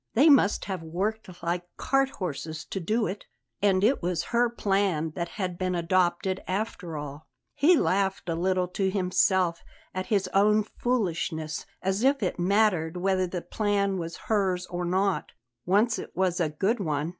They must have worked like cart horses to do it And it was her plan that had been adopted after all. He laughed a little to himself at his own foolishness; as if it mattered whether the plan was hers or not, once it was a good one!